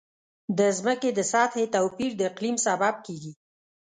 د ځمکې د سطحې توپیر د اقلیم سبب کېږي.